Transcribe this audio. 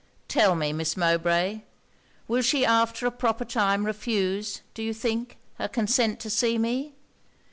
'Tell me, Miss Mowbray will she after a proper time refuse, do you think, her consent to see me?